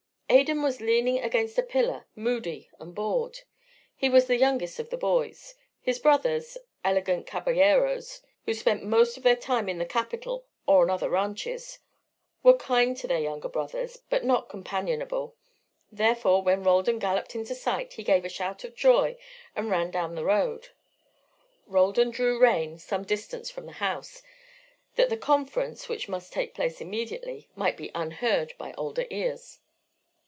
Adan was leaning against a pillar, moody and bored. He was the youngest of the boys. His brothers, elegant caballeros, who spent most of their time in the capital or on other ranches, were kind to their younger brother, but not companionable. Therefore, when Roldan galloped into sight, he gave a shout of joy and ran down the road. Roldan drew rein some distance from the house, that the conference, which must take place immediately, might be unheard by older ears.